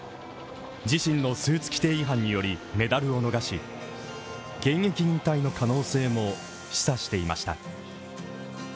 自身のスーツ規定違反により、メダルを逃し現役引退の可能性も示唆していました。